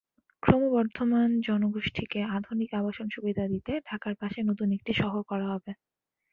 ক্রমবর্ধমান জনগোষ্ঠীকে আধুনিক আবাসন-সুবিধা দিতে ঢাকার পাশে নতুন একটি শহর করা হবে।